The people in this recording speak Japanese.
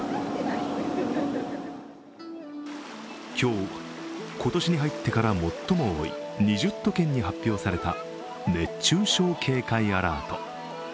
今日、今年に入ってから最も多い２０都県に発表された熱中症警戒アラート。